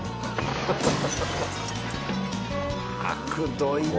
あくどいね。